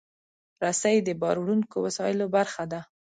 رسۍ د باروړونکو وسایلو برخه ده.